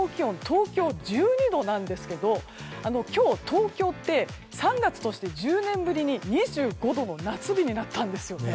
東京は１２度なんですが今日、東京って３月として１０年ぶりに２５度の夏日になったんですよ。